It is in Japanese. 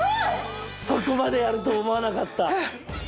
そこまでやると思わなかった。